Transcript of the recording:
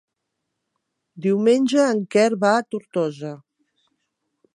Diumenge en Quer va a Tortosa.